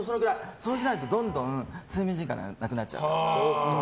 そうしないとどんどん睡眠時間がなくなっちゃう。